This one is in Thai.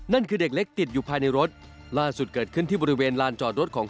เด็กเล็กติดอยู่ภายในรถล่าสุดเกิดขึ้นที่บริเวณลานจอดรถของ